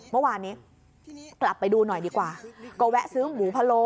เมื่อวานนี้กลับไปดูหน่อยดีกว่าก็แวะซื้อหมูพะโล